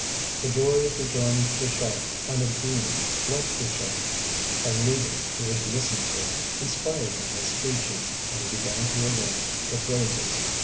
The joy of rejoining Pluchart and of being, like Pluchart, a leader who was listened to, inspired him with speeches, and he began to arrange the phrases.